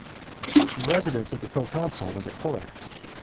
The residence of the proconsul was at Corinth.